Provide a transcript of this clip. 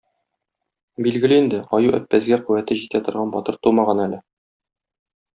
Билгеле инде, Аю-Әппәзгә куәте җитә торган батыр тумаган әле.